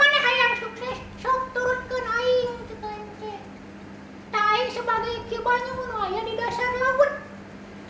tak aki sebagai aki banyu aki di dasar laut